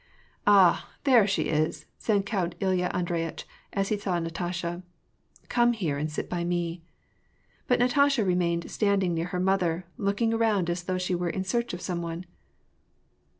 " Ah ! there she is," said Count Hya Audrey itch, as he saw Natasha. " Come here and sit by me !" But Natasha remained standing near her mother, looking^ around as though she were in search of some one.